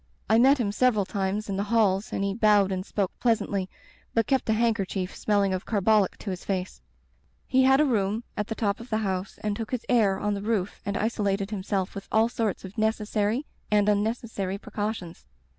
I met him several times in the halls and he bowed and spoke pleasantly, but kept a handker chief smelling of carbolic to his face. He had Digitized by LjOOQ IC Interventions a room at the top of the house and took his air on the roof and isolated himself with all sorts of necessary and unnecessary precau tions.